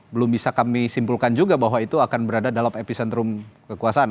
belum bisa kami simpulkan juga bahwa itu akan berada dalam epicentrum kekuasaan